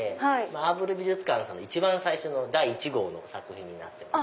アーブル美術館さんの一番最初の第１号の作品になってます。